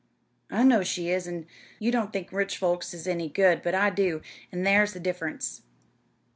"I know she is, an' you don't think rich folks is any good; but I do, an' thar's the diff'rence.